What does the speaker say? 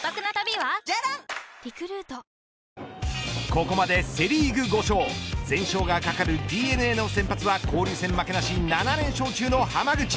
ここまでセ・リーグ５勝全勝が懸かるＤｅＮＡの先発は交流戦負けなし７連勝中の濱口。